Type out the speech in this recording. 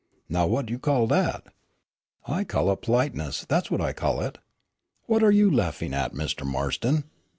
Now whut you call dat?" "I call it politeness, that is what I call it. What are you laughing at, Mr. Marston?